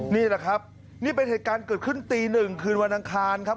นี่แหละครับนี่เป็นเหตุการณ์เกิดขึ้นตีหนึ่งคืนวันอังคารครับ